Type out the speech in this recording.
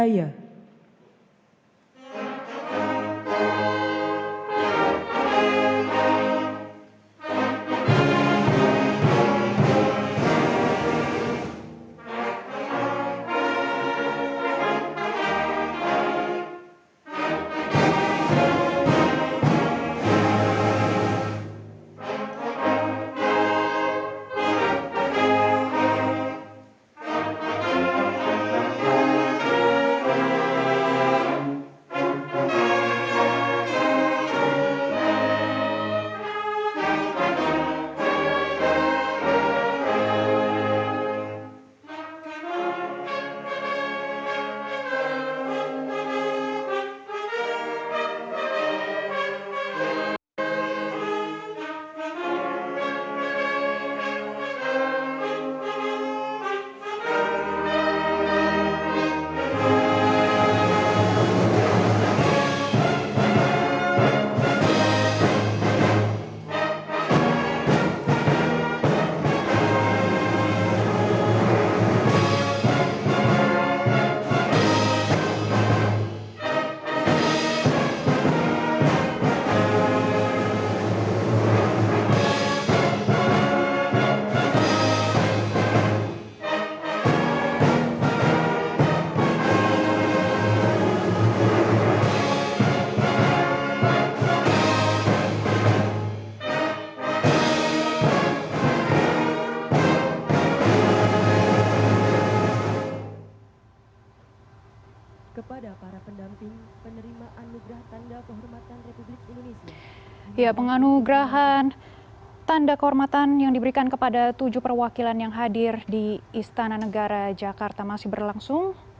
ya penganugerahan tanda kehormatan yang diberikan kepada tujuh perwakilan yang hadir di istana negara jakarta masih berlangsung